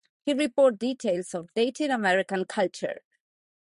He reported details of Native American culture.